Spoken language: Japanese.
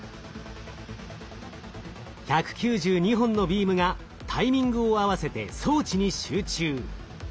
１９２本のビームがタイミングを合わせて装置に集中。